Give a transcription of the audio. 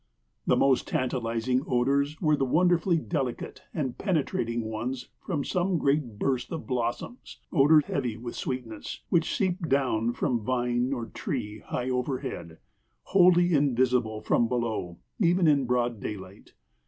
The most tantalizing odors were the wonderfully delicate and penetrating ones from some great burst of blossoms, odors heavy with sweetness, which seeped down from vine or tree high overhead, wholly invisible from below even in broad daylight.